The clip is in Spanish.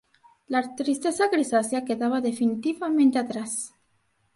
La tristeza grisácea quedaba definitivamente atrás.